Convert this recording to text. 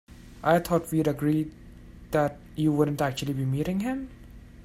I thought we'd agreed that you wouldn't actually be meeting him?